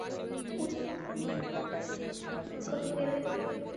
উদয়াদিত্য শয়নকক্ষে সুরমার নিকটে গেলেন।